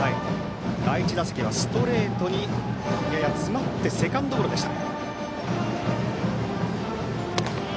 第１打席はストレートにやや詰まってセカンドゴロでした。